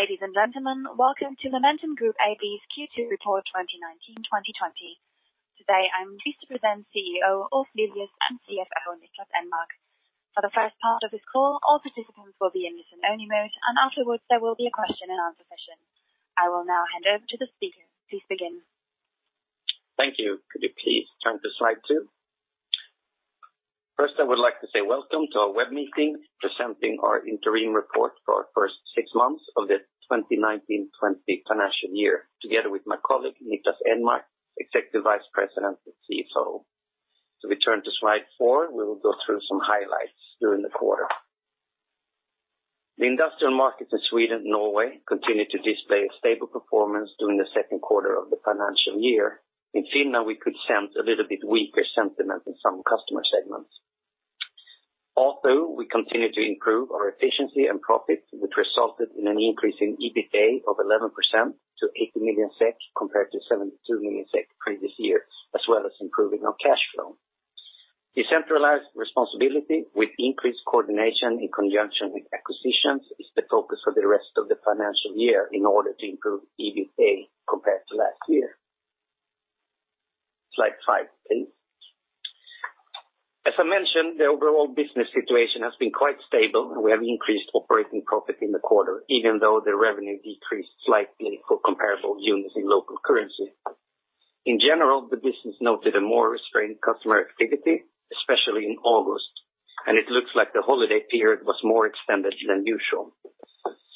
Ladies and gentlemen, welcome to Momentum Group AB's Q2 report 2019, 2020. Today, I'm pleased to present Chief Executive Officer Ulf Lilius and Chief Financial Officer Niklas Enmark. For the first part of this call, all participants will be in listen-only mode, and afterwards there will be a Q&A session. I will now hand over to the speaker. Please begin. Thank you. Could you please turn to slide 2? First, I would like to say welcome to our web meeting, presenting our interim report for our first six months of the 2019-2020 financial year, together with my colleague, Niklas Enmark, Executive Vice President and Chief Financial Officer. We turn to slide 4, we will go through some highlights during the quarter. The industrial markets in Sweden and Norway continued to display a stable performance during the Q2 of the financial year. In Finland, we could sense a little bit weaker sentiment in some customer segments. Also, we continue to improve our efficiency and profits, which resulted in an increase in EBITDA of 11% to 80 million SEK, compared to 72 million SEK previous year, as well as improving our cash flow. Decentralized responsibility with increased coordination in conjunction with acquisitions is the focus for the rest of the financial year in order to improve EBITDA compared to last year. Slide 5, please. As I mentioned, the overall business situation has been quite stable, and we have increased operating profit in the quarter, even though the revenue decreased slightly for comparable units in local currency. In general, the business noted a more restrained customer activity, especially in August, and it looks like the holiday period was more extended than usual.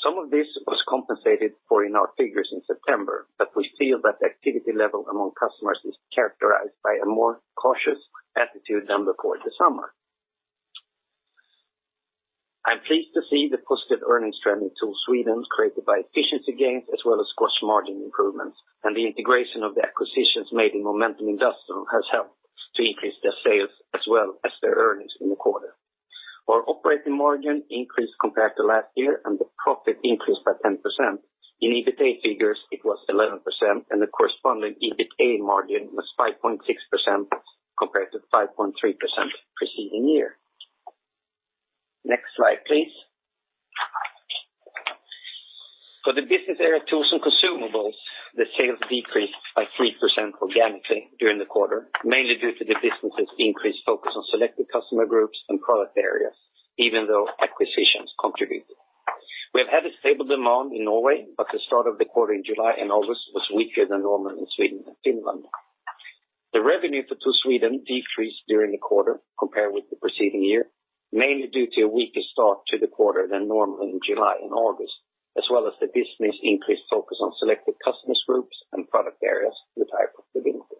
Some of this was compensated for in our figures in September, but we feel that the activity level among customers is characterized by a more cautious attitude than before the summer. I'm pleased to see the positive earnings trending to Sweden, created by efficiency gains as well as gross margin improvements, and the integration of the acquisitions made in Momentum Industrial has helped to increase their sales as well as their earnings in the quarter. Our operating margin increased compared to last year, and the profit increased by 10%. In EBITDA figures, it was 11%, and the corresponding EBITDA margin was 5.6% compared to 5.3% preceding year. Next slide, please. For the business area, TOOLS and consumables, the sales decreased by 3% organically during the quarter, mainly due to the business's increased focus on selected customer groups and product areas, even though acquisitions contributed. We have had a stable demand in Norway, but the start of the quarter in July and August was weaker than normal in Sweden and Finland. The revenue for TOOLS Sweden decreased during the quarter compared with the preceding year, mainly due to a weaker start to the quarter than normal in July and August, as well as the business increased focus on selected customer groups and product areas with higher profitability.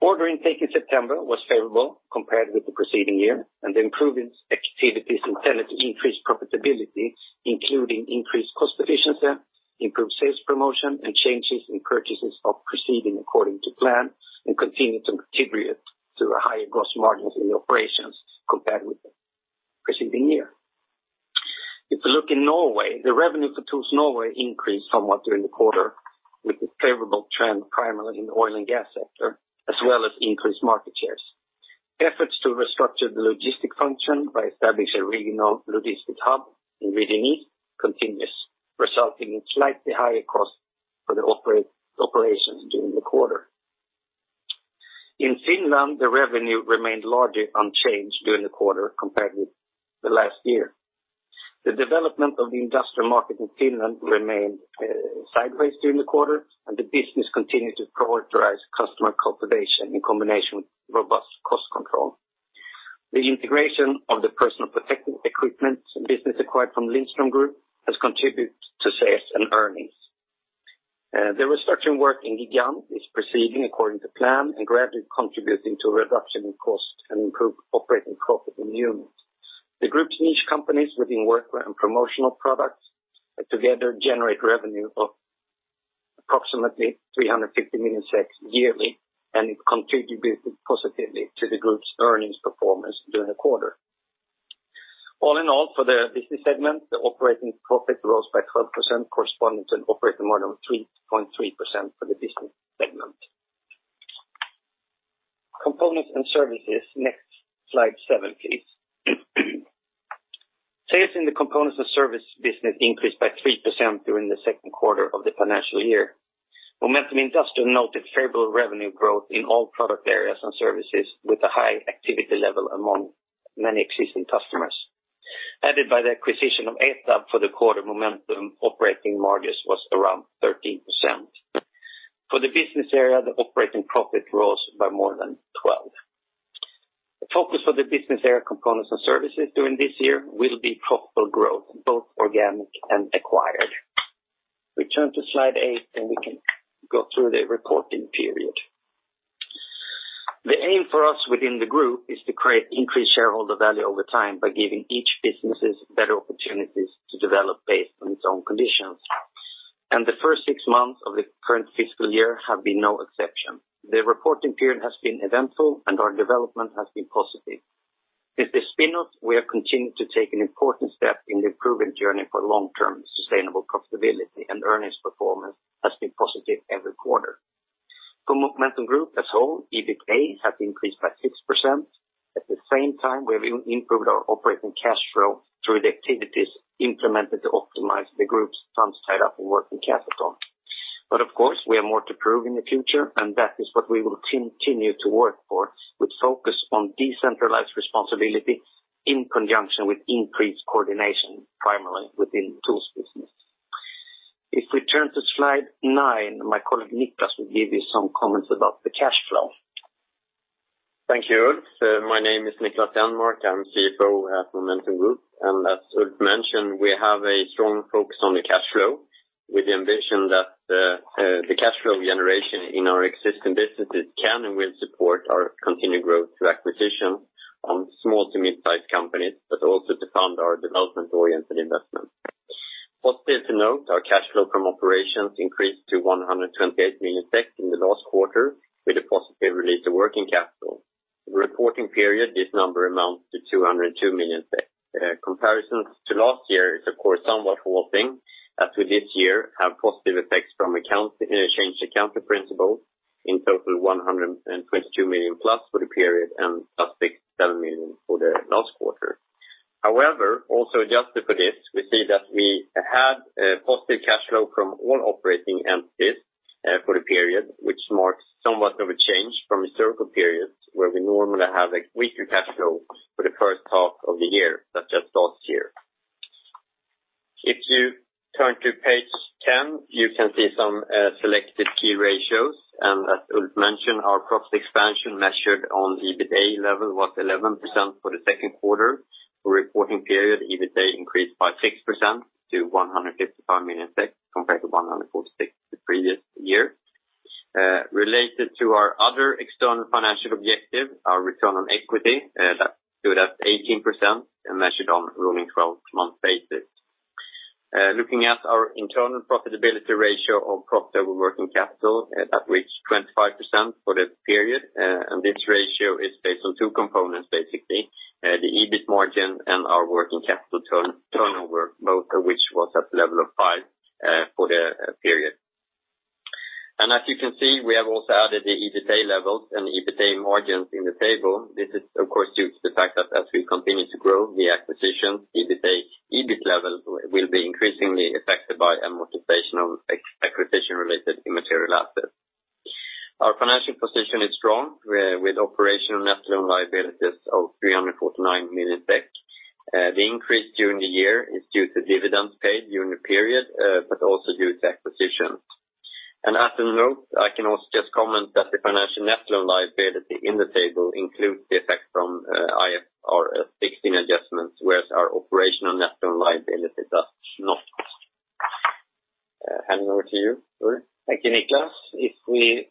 Order intake in September was favorable compared with the preceding year, and the improvement activities intended to increase profitability, including increased cost efficiency, improved sales promotion, and changes in purchases are proceeding according to plan and continue to contribute to higher gross margins in the operations compared with the preceding year. If you look in Norway, the revenue for TOOLS Norway increased somewhat during the quarter, with a favorable trend primarily in the oil and gas sector, as well as increased market shares. Efforts to restructure the logistics function by establishing a regional logistics hub in Riddarnes continues, resulting in slightly higher costs for the operations during the quarter. In Finland, the revenue remained largely unchanged during the quarter compared with the last year. The development of the industrial market in Finland remained sideways during the quarter, and the business continued to prioritize customer cultivation in combination with robust cost control. The integration of the personal protective equipment business acquired from Lindström Group has contributed to sales and earnings. The restructuring work in Gigant is proceeding according to plan and gradually contributing to a reduction in cost and improved operating profit in the unit. The group's niche companies within workwear and promotional products together generate revenue of approximately 350 million yearly, and it contributed positively to the group's earnings performance during the quarter. All in all, for the business segment, the operating profit rose by 12% corresponding to an operating margin of 3.3% for the business segment. Components and services, next, slide 7, please. Sales in the components and service business increased by 3% during the Q2 of the financial year. Momentum Industrial noted favorable revenue growth in all product areas and services, with a high activity level among many existing customers. Added by the acquisition of ETAB for the quarter Momentum, operating margins was around 13%. For the business area, the operating profit rose by more than 12. The focus of the business area, components and services during this year will be profitable growth, both organic and acquired. We turn to slide 8, and we can go through the reporting period. The aim for us within the group is to create increased shareholder value over time by giving each business better opportunities to develop based on its own conditions. The first six months of the current fiscal year have been no exception. The reporting period has been eventful, and our development has been positive. With the spin-off, we have continued to take an important step in the improving journey for long-term sustainable profitability, and earnings performance has been positive every quarter. Momentum Group as a whole, EBITDA has increased by 6%. At the same time, we have improved our operating cash flow through the activities implemented to optimize the group's funds tied up in working capital. But of course, we have more to prove in the future, and that is what we will continue to work for, with focus on decentralized responsibility in conjunction with increased coordination, primarily within the tools business. If we turn to slide 9, my colleague, Niklas, will give you some comments about the cash flow. Thank you, Ulf. My name is Niklas Enmark, I'm Chief Financial Officer at Momentum Group, and as Ulf mentioned, we have a strong focus on the cash flow, with the ambition that the cash flow generation in our existing businesses can and will support our continued growth through acquisition on small to mid-sized companies, but also to fund our development-oriented investment. Positive to note, our cash flow from operations increased to 128 million in the last quarter, with a positive release of working capital. The reporting period, this number amounts to 202 million SEK. Comparisons to last year is, of course, somewhat holding, as we this year have positive effects from accounts changed accounting principles, in total 122 million SEK plus for the period and plus 67 million SEK for the last quarter. However, also adjusted for this, we see that we had a positive cash flow from all operating entities for the period, which marks somewhat of a change from historical periods where we normally have a weaker cash flow for the first half of the year, but just last year. If you turn to page 10, you can see some selected key ratios, and as Ulf mentioned, our profit expansion measured on the EBITDA level was 11% for the Q2. For reporting period, EBITDA increased by 6% to 155 million SEK, compared to 146 million SEK the previous year. Related to our other external financial objective, our return on equity, that stood at 18% and measured on a rolling 12-month basis. Looking at our internal profitability ratio of profit over working capital, that reached 25% for the period, and this ratio is based on two components, basically, the EBIT margin and our working capital turnover, both of which was at the level of five, for the period. And as you can see, we have also added the EBITDA levels and the EBITDA margins in the table. This is, of course, due to the fact that as we continue to grow the acquisition, EBITDA, EBIT level will be increasingly affected by amortization of acquisition-related immaterial assets. Our financial position is strong, with operational net loan liabilities of 349 million. The increase during the year is due to dividends paid during the period, but also due to acquisition. As a note, I can also just comment that the financial net loan liability in the table includes the effect from IFRS 16 adjustments, whereas our operational net loan liability does not. Handing over to you, Ulf. Thank you, Niklas. If we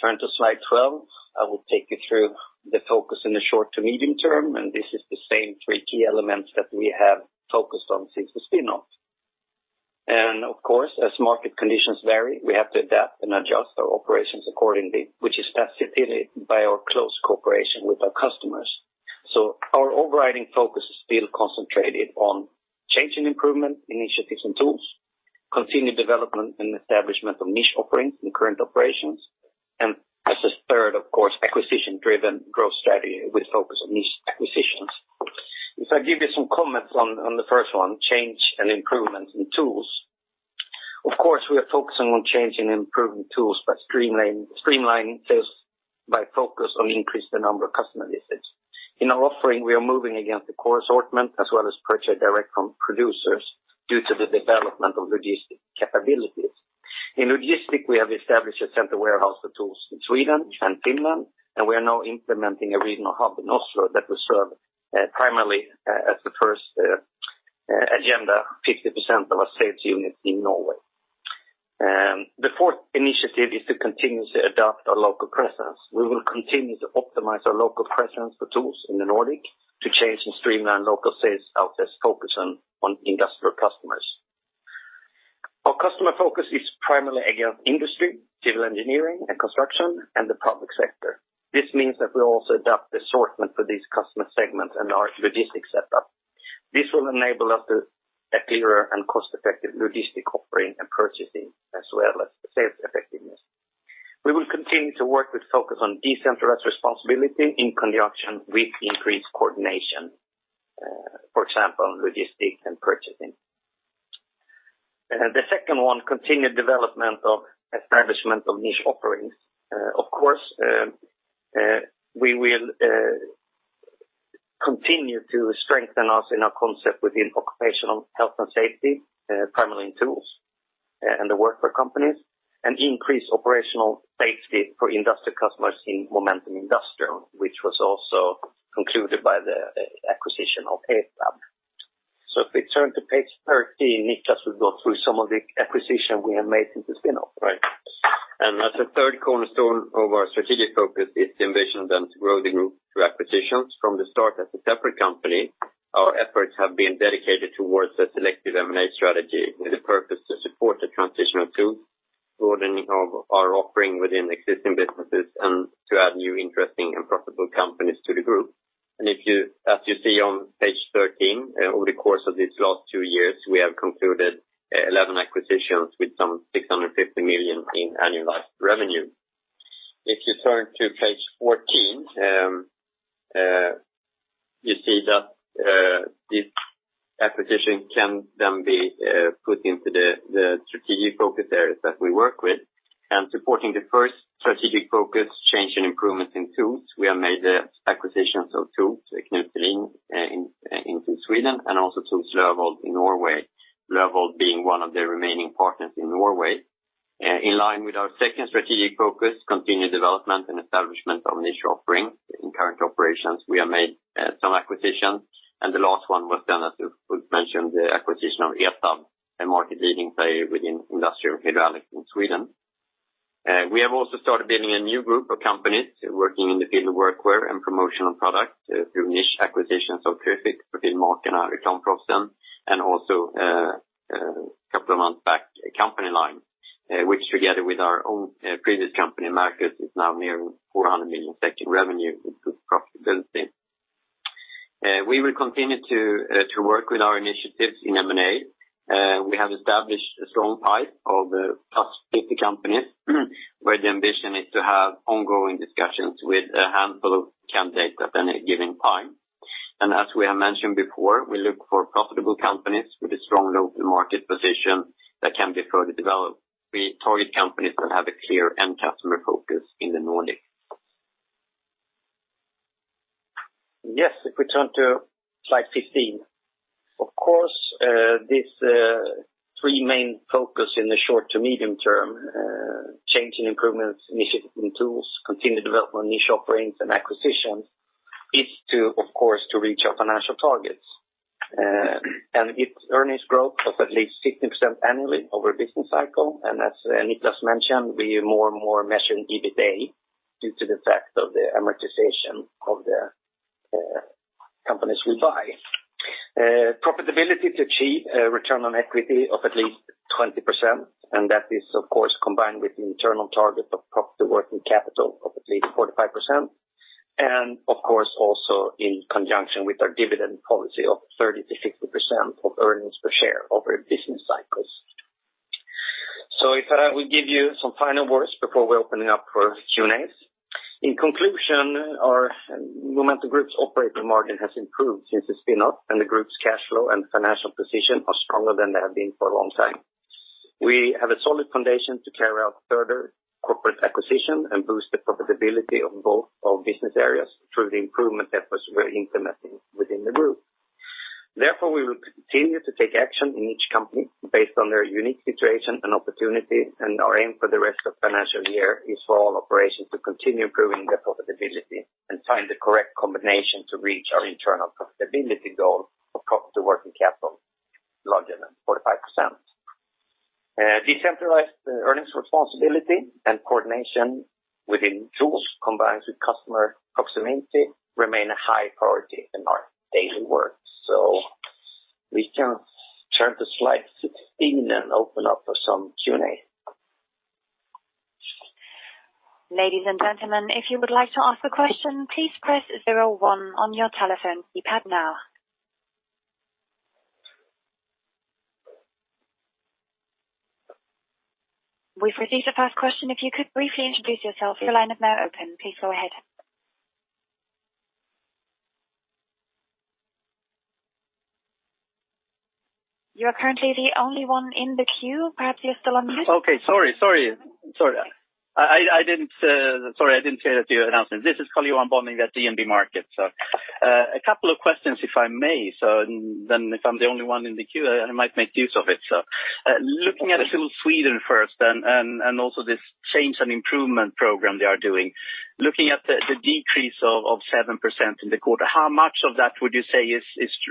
turn to slide 12, I will take you through the focus in the short to medium term, and this is the same three key elements that we have focused on since the spin-off. Of course, as market conditions vary, we have to adapt and adjust our operations accordingly, which is facilitated by our close cooperation with our customers. Our overriding focus is still concentrated on change and improvement, initiatives and tools, continued development and establishment of niche offerings in current operations, and as a third, of course, acquisition-driven growth strategy with focus on niche acquisitions. If I give you some comments on the first one, change and improvement in tools. Of course, we are focusing on changing and improving tools, but streamlining sales by focus on increasing the number of customer visits. In our offering, we are moving against the core assortment as well as purchase direct from producers due to the development of logistic capabilities. In logistics, we have established a center warehouse for tools in Sweden and Finland, and we are now implementing a regional hub in Oslo that will serve primarily as the first agenda 50% of our sales unit in Norway. The fourth initiative is to continuously adapt our local presence. We will continue to optimize our local presence for tools in the Nordic to change and streamline local sales outlets, focusing on industrial customers. Our customer focus is primarily against industry, civil engineering and construction, and the public sector. This means that we also adapt the assortment for these customer segments and our logistics setup. This will enable us to a clearer and cost-effective logistic offering and purchasing, as well as the sales effectiveness. We will continue to work with focus on decentralized responsibility in conjunction with increased coordination, for example, logistics and purchasing. The second one, continued development of establishment of niche offerings. Of course, we will continue to strengthen us in our concept within occupational health and safety, primarily in tools, and the workwear companies, and increase operational safety for industrial customers in Momentum Industrial, which was also concluded by the acquisition of ETAB. So if we turn to page 13, Niklas will go through some of the acquisition we have made since the spin-off. Right. And as a third cornerstone of our strategic focus is to envision them to grow the group through acquisitions. From the start, as a separate company, our efforts have been dedicated towards a selective M&A strategy, with a purpose to support the transition of TOOLS, broadening of our offering within existing businesses, and to add new interesting and profitable companies to the group. If you, as you see on page 13, over the course of these last two years, we have concluded 11 acquisitions with some 650 million in annualized revenue. If you turn to page 14, you see that this acquisition can then be put into the strategic focus areas that we work with. And supporting the first strategic focus, change and improvements in TOOLS, we have made the acquisitions of TOOLS Knutling in Sweden, and also TOOLS Lervoll in Norway, Lervoll being one of the remaining partners in Norway. In line with our second strategic focus, continued development and establishment of niche offerings in current operations, we have made some acquisitions, and the last one was done, as we've mentioned, the acquisition of ETAB, a market-leading player within industrial hydraulics in Sweden. We have also started building a new group of companies working in the field of workwear and promotional products through niche acquisitions of TriffiQ within mark and return process, and also a couple of months back, Company Line, which together with our own previous company, Mercus, is now near 400 million in revenue with good profitability. We will continue to work with our initiatives in M&A. We have established a strong pipeline of 50+ companies, where the ambition is to have ongoing discussions with a handful of candidates at any given time. As we have mentioned before, we look for profitable companies with a strong local market position that can be further developed. We target companies that have a clear end customer focus in the Nordics. Yes, if we turn to slide 15. Of course, these three main focus in the short to medium term, change and improvements, initiative and TOOLS, continued development, niche offerings, and acquisitions, is to, of course, to reach our financial targets. And it's earnings growth of at least 16% annually over a business cycle. And as Niklas mentioned, we more and more measuring EBITA, due to the fact of the amortization of the companies we buy. Profitability to achieve a return on equity of at least 20%, and that is, of course, combined with the internal target of profit working capital of at least 45%. Of course, also in conjunction with our dividend policy of 30%-50% of earnings per share over business cycles. So if I will give you some final words before we open it up for Q&As. In conclusion, our Momentum Group's operating margin has improved since the spin-off, and the group's cash flow and financial position are stronger than they have been for a long time. We have a solid foundation to carry out further corporate acquisition and boost the profitability of both our business areas through the improvement efforts we're implementing within the group. Therefore, we will continue to take action in each company based on their unique situation and opportunity, and our aim for the rest of financial year is for all operations to continue improving their profitability and find the correct combination to reach our internal profitability goal of cost to working capital, larger than 45%. Decentralized earnings responsibility and coordination within tools, combined with customer proximity, remain a high priority in our daily work. So we can turn to slide 16 and open up for some Q&A. Ladies and gentlemen, if you would like to ask a question, please press zero one on your telephone keypad now. We've received the first question. If you could briefly introduce yourself, your line is now open. Please go ahead. You are currently the only one in the queue. Perhaps you're still on mute? Okay. Sorry, I didn't pay attention to the announcement. This is Karl-Johan Bonnevier at DNB Markets. So, a couple of questions, if I may. So then if I'm the only one in the queue, I might make use of it, so. Looking at Tools Sweden first, and also this change and improvement program they are doing. Looking at the decrease of 7% in the quarter, how much of that would you say is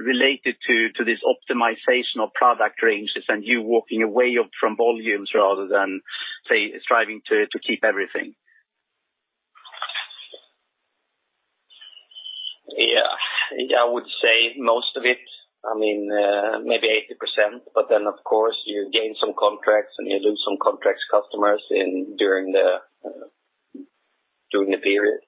related to this optimization of product ranges and you walking away from volumes rather than, say, striving to keep everything? Yeah, I would say most of it, I mean, maybe 80%, but then, of course, you gain some contracts, and you lose some contracts customers in during the period.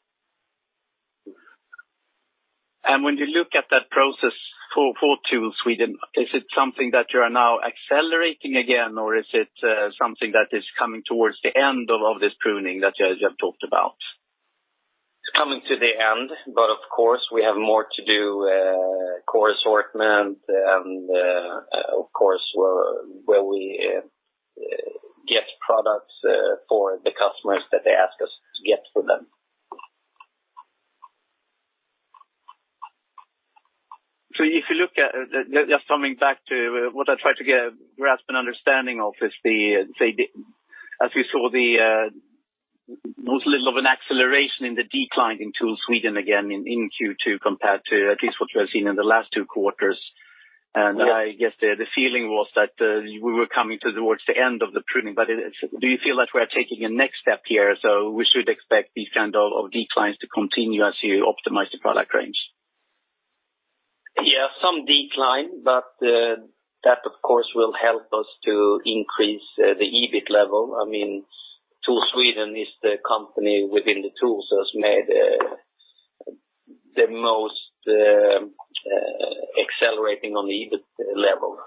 When you look at that process for Tools Sweden, is it something that you are now accelerating again, or is it something that is coming towards the end of this pruning that you have talked about? It's coming to the end, but of course, we have more to do, core assortment, of course, where we get products for the customers that they ask us to get for them. So if you look at... Just coming back to what I tried to get, grasp an understanding of is the, say, as we saw the most little of an acceleration in the decline in Tools Sweden, again, in Q2, compared to at least what we have seen in the last two quarters. Yeah. I guess the feeling was that we were coming towards the end of the pruning, but do you feel that we are taking a next step here, so we should expect this kind of declines to continue as you optimize the product range? Yeah, some decline, but that of course will help us to increase the EBIT level. I mean, TOOLS Sweden is the company within the TOOLS has made the most accelerating on the EBIT level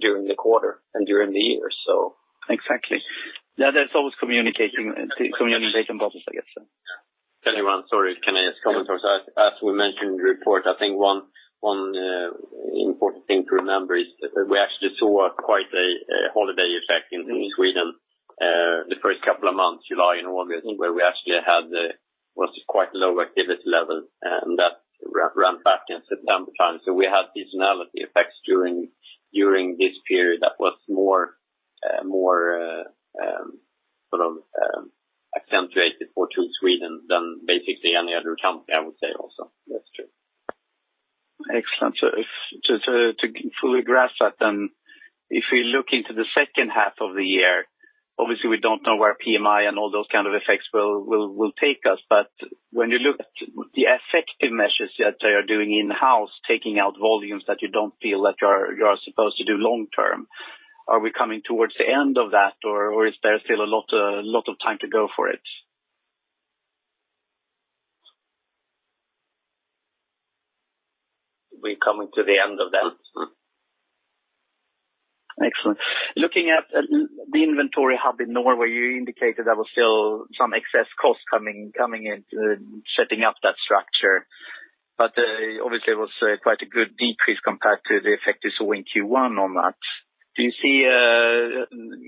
during the quarter and during the year, so. Exactly. Yeah, there's always communicating, communication problems, I guess so. Yeah. Tell everyone, sorry, can I just comment? So as we mentioned in the report, I think one important thing to remember is that we actually saw quite a holiday effect in Sweden the first couple of months, July and August, where we actually had quite low activity level, and that ran back in September time. So we had seasonality effects during this period that was more sort of accentuated for TOOLS Sweden than basically any other company, I would say also. That's true. Excellent. So if to fully grasp that, then, if we look into the second half of the year, obviously, we don't know where PMI and all those kind of effects will take us. But when you look at the effective measures that they are doing in-house, taking out volumes that you don't feel that you are supposed to do long term, are we coming towards the end of that, or is there still a lot of time to go for it? We're coming to the end of that. Excellent. Looking at the inventory hub in Norway, you indicated there was still some excess cost coming in to setting up that structure. But obviously, it was quite a good decrease compared to the effect you saw in Q1 on that. Do you see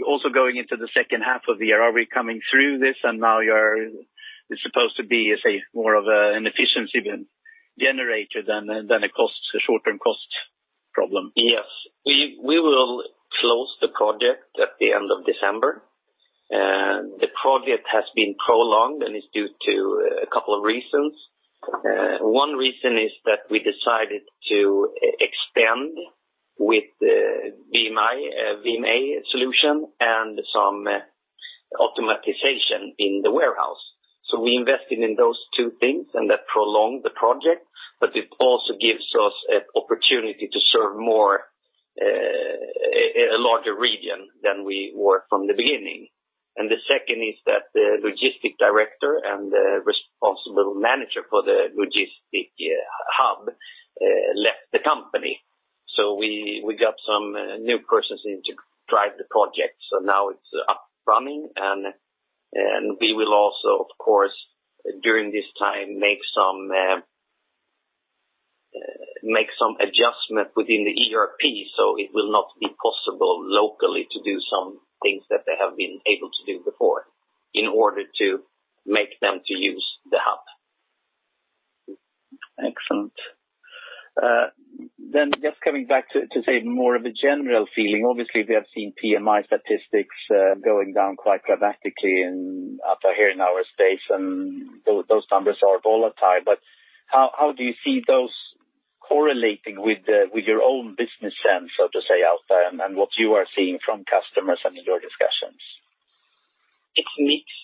also going into the second half of the year, are we coming through this, and now it's supposed to be, let's say, more of an efficiency generator than a cost, a short-term cost problem? Yes. We will close the project at the end of December. The project has been prolonged, and it's due to a couple of reasons. One reason is that we decided to extend with VMI solution and some automatization in the warehouse. We invested in those two things, and that prolonged the project, but it also gives us an opportunity to serve more, a larger region than we were from the beginning. The second is that the Logistic Director and the responsible manager for the logistic hub left the company. We got some new persons in to drive the project. So now it's up and running, and we will also, of course, during this time, make some adjustment within the ERP, so it will not be possible locally to do some things that they have been able to do before, in order to make them to use the hub. Excellent. Then just coming back to say more of a general feeling, obviously, we have seen PMI statistics going down quite dramatically in our space out here, and those numbers are volatile. But how do you see those correlating with your own business sense, so to say, out there, and what you are seeing from customers and in your discussions? It's mixed.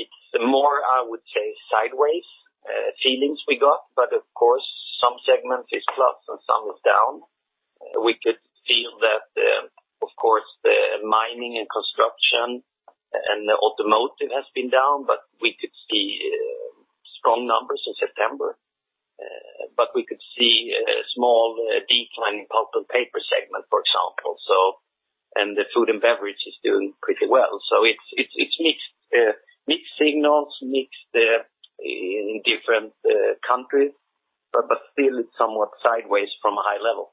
It's more, I would say, sideways feelings we got, but of course, some segments is plus, and some is down. We could feel that, of course, the mining and construction and the automotive has been down, but we could see strong numbers in September. But we could see a small decline in pulp and paper segment, for example, so, and the food and beverage is doing pretty well. So it's mixed. Mixed signals, mixed in different countries, but still it's somewhat sideways from a high level.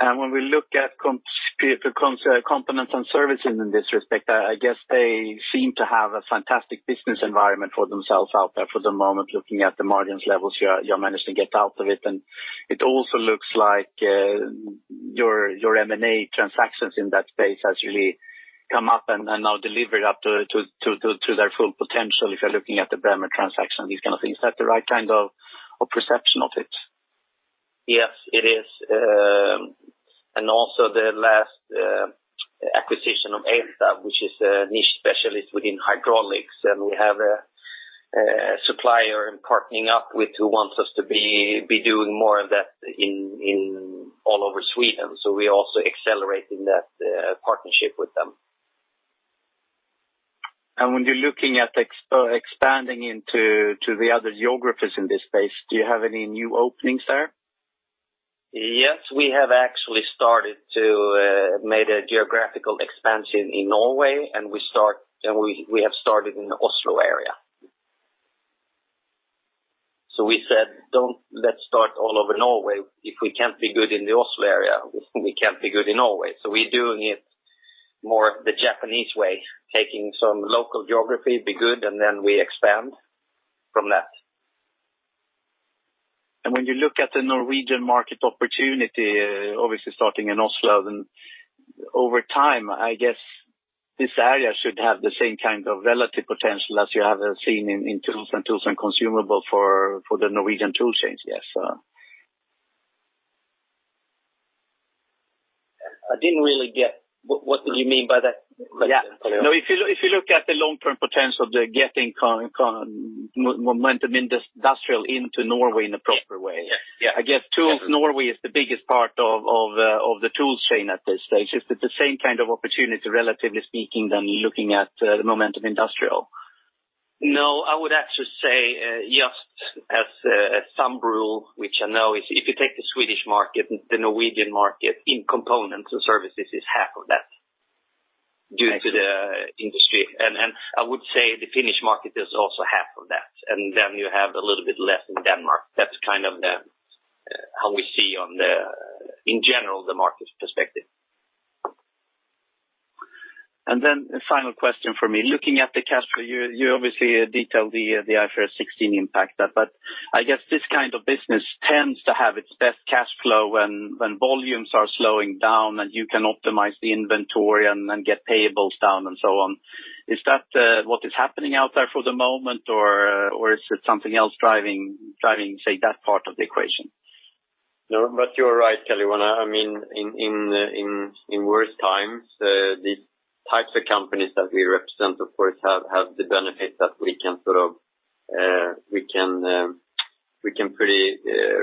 When we look at components and services in this respect, I guess they seem to have a fantastic business environment for themselves out there for the moment, looking at the margins levels you are managing to get out of it. And it also looks like your M&A transactions in that space has really come up and now delivered up to their full potential, if you're looking at the Bremer transaction, these kind of things. Is that the right kind of perception of it? Yes, it is. And also the last acquisition of ELFA, which is a niche specialist within hydraulics, and we have a supplier in partnering up with, who wants us to be doing more of that all over Sweden. So we're also accelerating that partnership with them. When you're looking at expanding into the other geographies in this space, do you have any new openings there? Yes, we have actually started to made a geographical expansion in Norway, and we have started in the Oslo area. So we said, "Don't let's start all over Norway. If we can't be good in the Oslo area, we can't be good in Norway." So we're doing it more the Japanese way, taking some local geography, be good, and then we expand from that. When you look at the Norwegian market opportunity, obviously starting in Oslo, then over time, I guess this area should have the same kind of relative potential as you have seen in tools and consumables for the Norwegian tool chains, yes? I didn't really get what do you mean by that question? Yeah. No, if you look, if you look at the long-term potential of the getting Momentum Industrial into Norway in a proper way. Yeah. I guess, Tools Norway is the biggest part of the tools chain at this stage. Is it the same kind of opportunity, relatively speaking, than looking at the Momentum Industrial? No, I would actually say, just as thumb rule, which I know is if you take the Swedish market, the Norwegian market in components and services is half of that due to the industry. And I would say the Finnish market is also half of that, and then you have a little bit less in Denmark. That's kind of the, how we see on the, in general, the market perspective. Then the final question for me. Looking at the cash flow, you obviously detailed the IFRS 16 impact that, but I guess this kind of business tends to have its best cash flow when volumes are slowing down, and you can optimize the inventory and get payables down and so on. Is that what is happening out there for the moment, or is it something else driving, say, that part of the equation? No, but you're right, Karl. Well, I mean, in worse times, these types of companies that we represent, of course, have the benefit that we can sort of pretty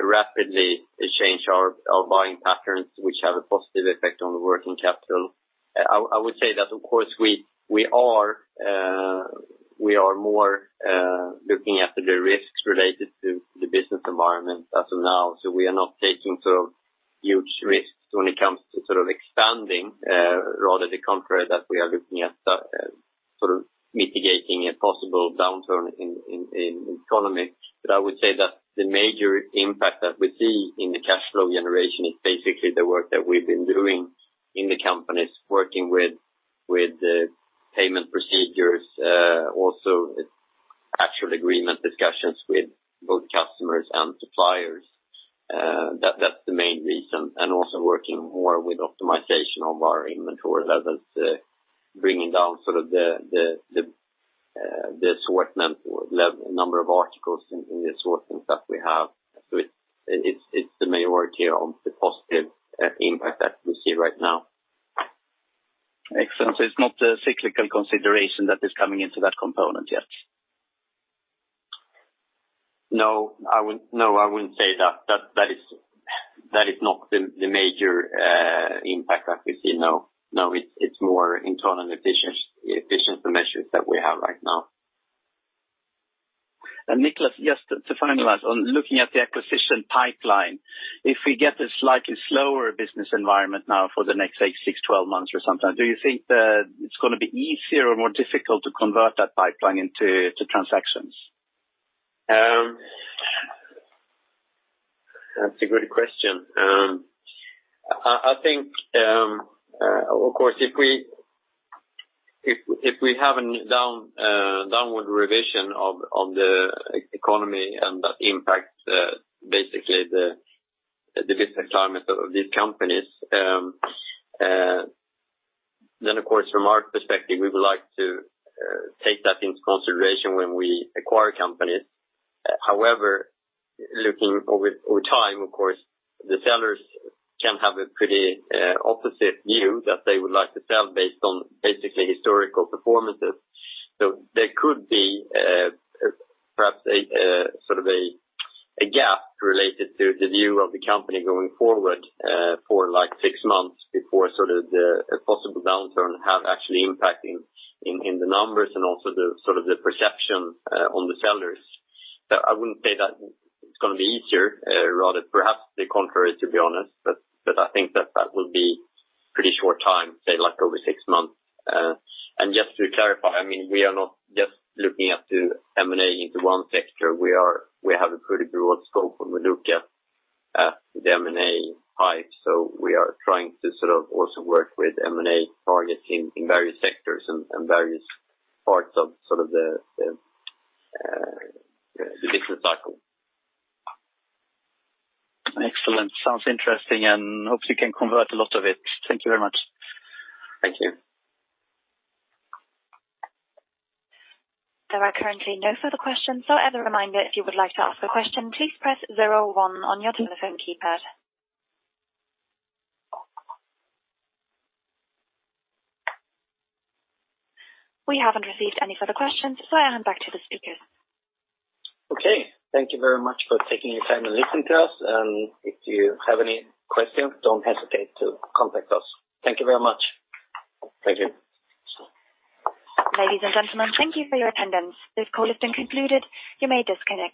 rapidly change our buying patterns, which have a positive effect on the working capital. I would say that, of course, we are more looking after the risks related to the business environment as of now. So we are not taking sort of huge risks when it comes to sort of expanding, rather the contrary, that we are looking at sort of mitigating a possible downturn in economy. But I would say that the major impact that we see in the cash flow generation is basically the work that we've been doing in the companies, working with the payment procedures, also actual agreement discussions with both customers and suppliers. That's the main reason, and also working more with optimization of our inventory levels, bringing down sort of the assortment or level, number of articles in the assortments that we have. So it's the majority of the positive impact that we see right now. Excellent. So it's not a cyclical consideration that is coming into that component yet? No, I wouldn't say that. That is not the major impact that we see, no. No, it's more internal efficiency measures that we have right now. And, Niklas, just to finalize, on looking at the acquisition pipeline, if we get a slightly slower business environment now for the next, say, six, 12 months or something, do you think that it's gonna be easier or more difficult to convert that pipeline into, to transactions? That's a good question. I think, of course, if we have a downward revision on the economy, and that impacts basically the business climate of these companies, then, of course, from our perspective, we would like to take that into consideration when we acquire companies. However, looking over time, of course, the sellers can have a pretty opposite view that they would like to sell based on basically historical performances. So there could be perhaps a sort of a gap related to the view of the company going forward, for like six months before sort of a possible downturn have actually impacting in the numbers and also sort of the perception on the sellers. So I wouldn't say that it's gonna be easier, rather perhaps the contrary, to be honest, but I think that that would be pretty short time, say, like over six months. Just to clarify, I mean, we are not just looking at the M&A into one sector. We have a pretty broad scope when we look at the M&A pipe. So we are trying to sort of also work with M&A targets in various sectors and various parts of the business cycle. Excellent. Sounds interesting, and hopefully you can convert a lot of it. Thank you very much. Thank you. There are currently no further questions, so as a reminder, if you would like to ask a question, please press zero one on your telephone keypad. We haven't received any further questions, so I hand back to the speakers. Okay, thank you very much for taking your time to listen to us, and if you have any questions, don't hesitate to contact us. Thank you very much. Thank you. Ladies and gentlemen, thank you for your attendance. This call has been concluded. You may disconnect.